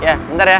iya bentar ya